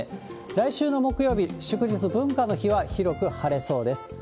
来週の木曜日祝日・文化の日は広く晴れそうです。